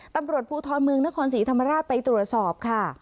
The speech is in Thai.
ตำรวจภูทรเมืองนครศรีธรรมราชไปตรวจสอบค่ะ